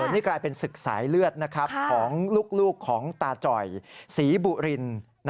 นี่กลายเป็นศึกสายเลือดของลูกของตาจ่อยศรีบุริน